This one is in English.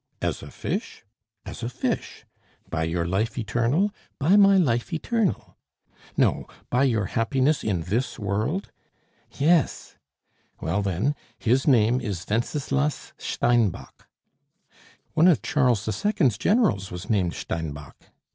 "As a fish?" "As a fish." "By your life eternal?" "By my life eternal!" "No, by your happiness in this world?" "Yes." "Well, then, his name is Wenceslas Steinbock." "One of Charles XII.'s Generals was named Steinbock."